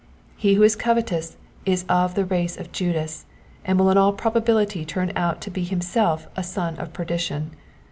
He who is covetous is of the race of Judas, and will in all probability turn out to be himself a son of perdition.